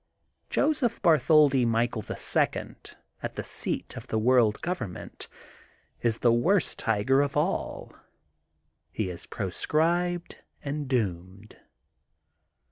Joseph Bartholdi Michael, the Second, at the seat of World Government, is the worst tiger of all. He is proscribed and doomed.